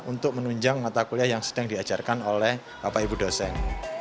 untuk menunjang mata kuliah yang sedang diajarkan oleh bapak ibu dosen